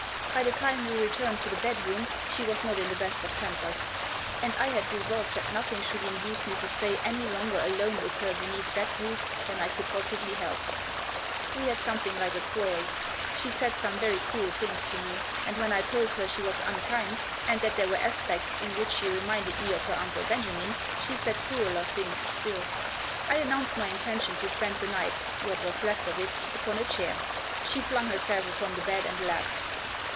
By the time we returned to the bedroom she was not in the best of tempers. And I had resolved that nothing should induce me to stay any longer alone with her beneath that roof than I could possibly help. We had something like a quarrel. She said some very cruel things to me, and, when I told her she was Digitized by A VISION OF THE NIGHT. 113 unkind, and that there were aspects in which she re minded me of her Uncle Benjamin, she said crueller things still. I announced my intention to spend the night — what was left of it — upon a chair. She flung herself upon the bed and laughed.